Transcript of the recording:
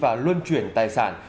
và luân chuyển tài sản